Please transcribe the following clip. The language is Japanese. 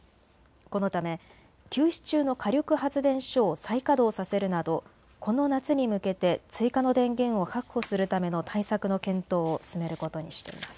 このため休止中の火力発電所を再稼働させるなどこの夏に向けて追加の電源を確保するための対策の検討を進めることにしています。